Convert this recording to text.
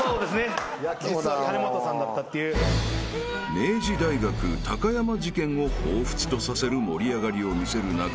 ［明治大学山事件をほうふつとさせる盛り上がりを見せる中